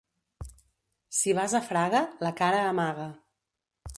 Si vas a Fraga, la cara amaga.